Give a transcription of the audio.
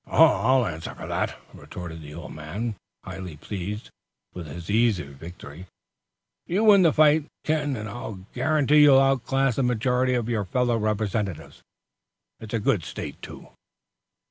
"I'll answer for that," retorted the old man, highly pleased with his easy victory. "You win the fight, Ken, and I'll guarantee you'll outclass the majority of your fellow Representatives. It's a good state, too."